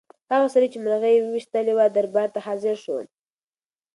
هغه سړی چې مرغۍ یې ویشتلې وه دربار ته حاضر شو.